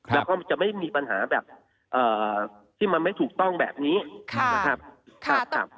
แล้วก็มันจะไม่มีปัญหาแบบที่มันไม่ถูกต้องแบบนี้นะครับ